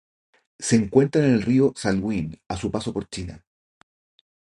Se encuentra en el río Salween a su paso por China.